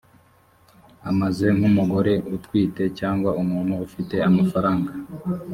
amaze nk umugore utwite cyangwa umuntu ufite amafaranga